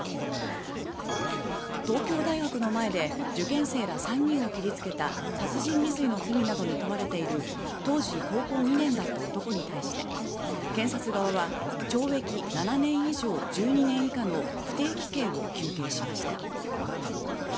東京大学の前で受験生ら３人を切り付けた殺人未遂の罪などに問われている当時高校２年だった男に対して検察側は懲役７年以上１２年以下の不定期刑を求刑しました。